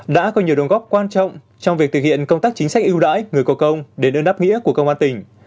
đã có nhiều đồng góp quan trọng trong việc thực hiện công tác chính sách ưu đãi người có công để nâng đáp nghĩa của công an tỉnh